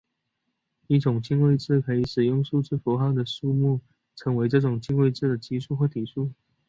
一种进位制中可以使用的数字符号的数目称为这种进位制的基数或底数。